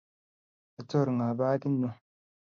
Kachor ng'o pakit nyu?